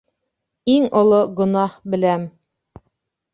— Иң оло гонаһ, беләм.